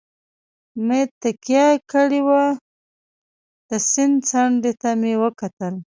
مې تکیه کړې وه، د سیند څنډې ته مې وکتل.